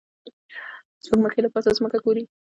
سپوږمکۍ له پاسه ځمکه ګوري